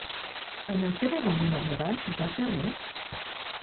Baina zer egongo modan eta zer ez?